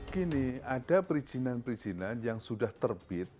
gini ada perizinan perizinan yang sudah terbit